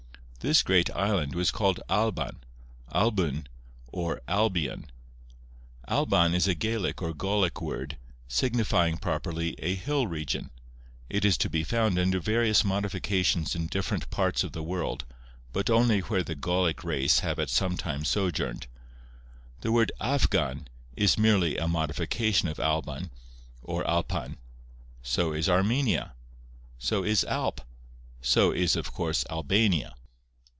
This great island was called Alban, Albyn, or Albion. Alban is a Gaelic or Gaulic word, signifying properly a hill region. It is to be found under various modifications in different parts of the world, but only where the Gaulic race have at some time sojourned. The word Afghan is merely a modification of Alban, or Alpan; so is Armenia; so is Alp; so is of course Albania.